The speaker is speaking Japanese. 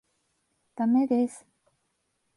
駄目です。